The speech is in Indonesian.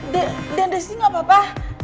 den den rizky gak apa apa